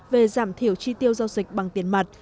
về giảm thiểu chi tiêu giao dịch bằng tiền mặt